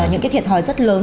những cái thiệt hỏi rất lớn